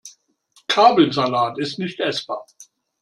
Kabelsalat ist nicht essbar.